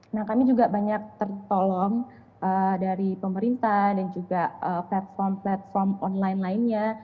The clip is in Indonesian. nah kami juga banyak tertolong dari pemerintah dan juga platform platform online lainnya